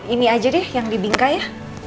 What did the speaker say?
ini aja deh yang di bingkai ya